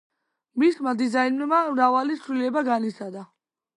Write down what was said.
მისმა დიზაინმა მრავალი ცვლილება განიცადა.